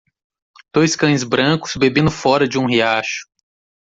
dois cães brancos bebendo fora de um riacho